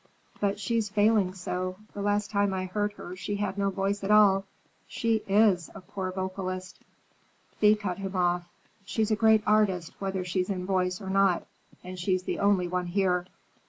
"But she's failing so. The last time I heard her she had no voice at all. She is a poor vocalist!" Thea cut him off. "She's a great artist, whether she's in voice or not, and she's the only one here.